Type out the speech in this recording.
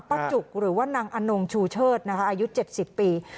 ป้าจุกหรือว่านางอานงชูเชิดนะคะอายุเจ็ดสิบปี